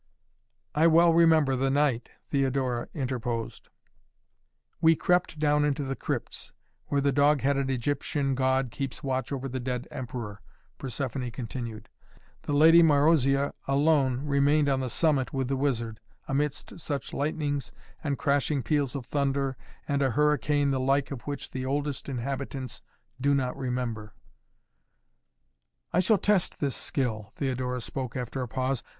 "I well remember the night," Theodora interposed. "We crept down into the crypts, where the dog headed Egyptian god keeps watch over the dead Emperor," Persephoné continued. "The lady Marozia alone remained on the summit with the wizard amidst such lightnings and crashing peals of thunder and a hurricane the like of which the oldest inhabitants do not remember " "I shall test his skill," Theodora spoke after a pause.